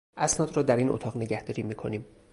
اسناد را در این اتاق نگهداری میکنیم.